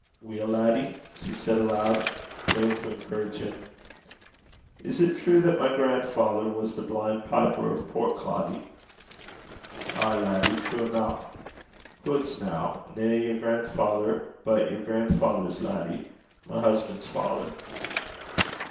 'Weel, laddie?' she said aloud, willing to encourage him. 'Is 't true that my gran'father was the blin' piper o' Portcloddie?' 'Ay, laddie; true eneuch. Hoots, na! nae yer grandfather, but yer father's grandfather, laddie my husband's father.'